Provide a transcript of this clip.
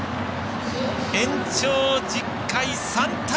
延長１０回、３対２。